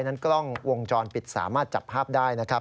นั้นกล้องวงจรปิดสามารถจับภาพได้นะครับ